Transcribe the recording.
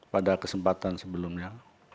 pada kesempatan sebelumnya